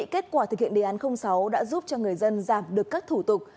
kết quả thực hiện đề án sáu đã giúp cho người dân giảm được các thủ tục